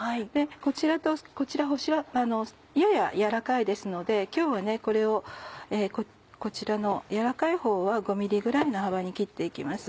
こちらとこちらはやや柔らかいですので今日はこれをこちらの柔らかいほうは５ｍｍぐらいの幅に切って行きます。